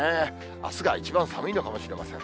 あすが一番寒いのかもしれません。